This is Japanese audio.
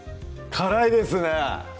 辛いです